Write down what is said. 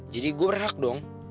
jadi gue berhak dong